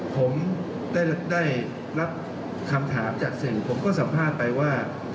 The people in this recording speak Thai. ผมได้รับคำถามจากสื่อผมก็สัมภาษณ์ไปว่า